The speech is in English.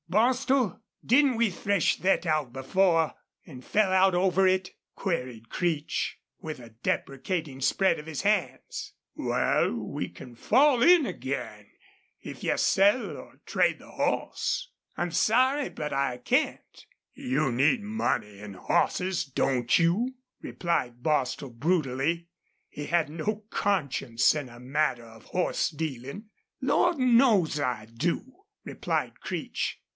"Bostil, didn't we thresh thet out before an' FELL out over it?" queried Creech, with a deprecating spread of his hands. "Wal, we can fall in again, if you'll sell or trade the hoss." "I'm sorry, but I can't." "You need money an' hosses, don't you?" demanded Bostil, brutally. He had no conscience in a matter of horse dealing. "Lord knows, I do," replied Creech.